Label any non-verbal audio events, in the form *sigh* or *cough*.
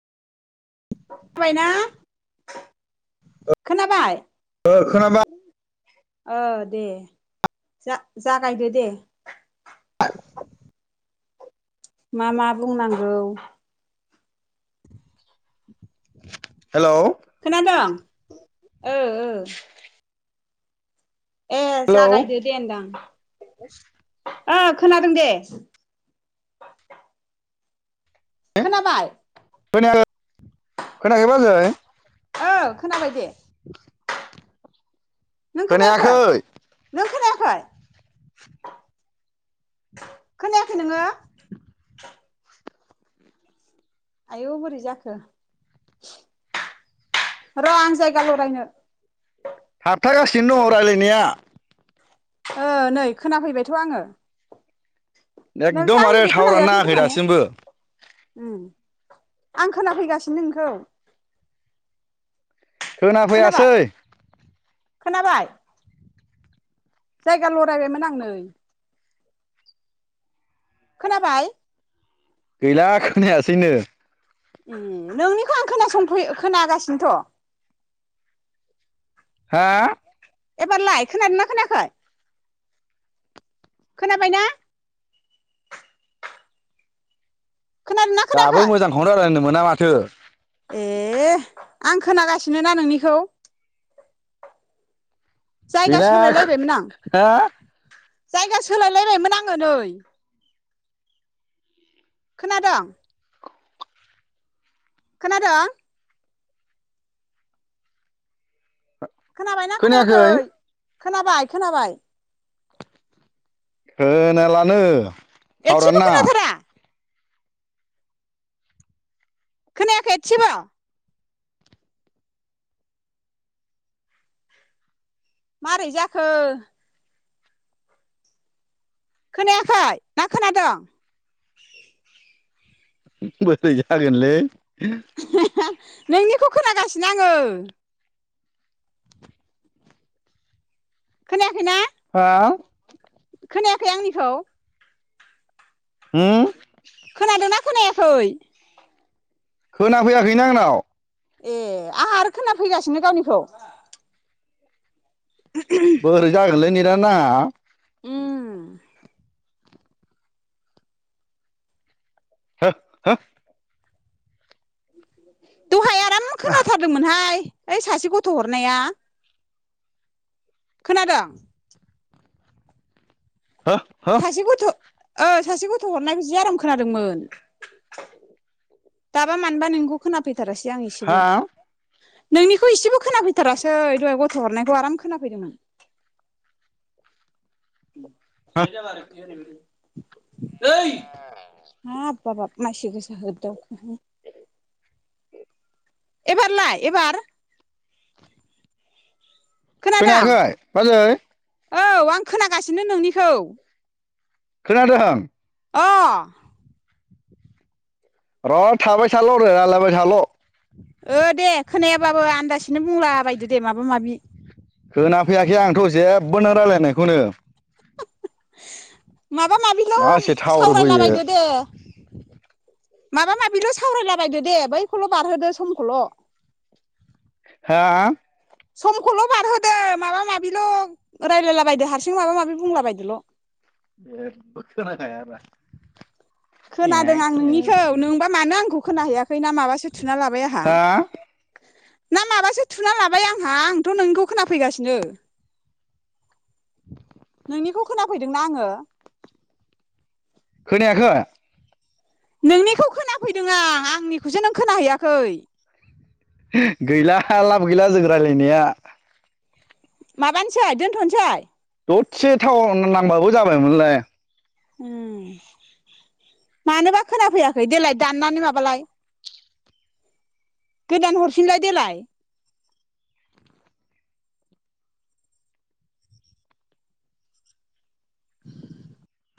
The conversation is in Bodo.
बायना खोनाबाय। ओ खोनाबा ओ दे जा-जागायदो दे। मा मा बुंनांगौ। हेलोव खोनादों ओ ओ ए हेलौ जागायदो दे होनदां ओ खोनादों दे। खोनाबाय। खोनायाखै खोनायाखै बाजै? औ खोनाबाय दे। *unintelligible* नों खोनायाखै? नों खोनाया *unintelligible* खोनायाखै नोङो। आयौ बोरै जाखो र' आं जायगा लरायनो। थाबथागासिनो दङ रायलायनाया। ओ नै खोनाफैबायथ' आङो नोंसो एखदमबारे आंनिखौ थावारानो नाङाखै दासिमबो ओम आं खोनफैगासिनो नोंखौ खोनाबाय खोनाफैयासै खोनाबाय? जायगा लरायबायमोन आं नै खोनाबाय? गैला खोनायासैनो ओ नोंनिखौ आं खोनासंफै खोनागासिनोथ' हा एबार लाय खोनादोना ना खोनायाखै? खोनाबायना? खोनादोंना दाबो खोनायाखै मोजांखौनो रायलायनो मोना माथो। ए आं खोनागासिनो ना नोंनिखौ। जायगा गैला खो सोलायलायबायमोन आं हो? जायगा सोलायलायबायमोन आङो नै। खोनादों? खोनादों? खोनाबायना खोनायाखै? खोनाबाय खोनाबाय। खोनालानो। थावरानो एसेबो नाङा खोनाथारा। खोनायाखै एसेबो। मारै जाखो? खोनायाखै ना खोनादों? बोरै जागोनलै। *unintelligible* नोंनिखौ खोनागासिनो आङो। खोनायाखैना? हा? खोनायाखै आंनिखौ। होम। खोनादोंना खोनायाखै? खोना फैयाखैनो आंनाव। ए आंहा आरो खोना फैगासिनो गावनिखौ। *unintelligible* बोरै जागोनलै नेदानो नाङा। उम। हो हो। दहाय आ आराम खोनाथारदोंमोनहाय। ओइ सासे गथ' हरनाया। खोनादों? हो हो। सासे गथ' ओ सासे गथ' हरनायखौ जि आराम खोनादोंमोन *inaudible* दाबा मानोबा नोंखौ खोनाफै थारासै आं एसेबो। हा नोंनिखौ एसेबो खोनाफैथारासै दहाय गथ' हरनायखौ आराम खोनाफैदोंमोन। हो बेनो जाबाय *unintelligible* *inaudible* हाप बाब बाब। मानसि गोसा होबदावखो एबार लाय एबार खोनादों खोनायाखै बाजै औ आं खोनागासिनो नोंनिखौ खोनादों। अ र' थाबाय थाल' रै राय्लायबाय थाल' ओ दे खोनायाबाबो आन्दासैनो बुंला बायदो दे माबा माबि होना फैयाखै आंथ जेबोनो राय्लायनायखौनो माबा माबिल मासे टावार बोयो सावरायलाबायदो दे माबा माबिल सावरायलाबायदो दे बैखौल बारहोदो समखौल हा हा समखौल बारहोदो माबा माबिल रायलायला बायदो हारसिं माबा माबि बुंला बायदोल जेबो खोनाखाया आरो खोनादों आं नोंनिखौ नोंबा मानो आंखौनिखौ खोनाहैयाखै ना माबासो थुना लाबाय आंहा हा ना माबासो थुना लाबाय आंहा आंथ'नोंनिखौ खोनाफैगासिनो *inaudible* नोंनिखौ खोनाफैदोंना आंङो खोनायाखै नोंनिखौ खोनाफैदों आं आंनिखौसो नों खोनाहैयाखै गैला लाबो गैला जों रायलायनाया माबानोसै दोनथनोसै दरसे टाउन नांबाबो जाबायमोनलाय उ मानोबा खोनाफैयाखै देलाय दाननानै माबालाय गोदान हरफिनलाय देलाय *inaudible*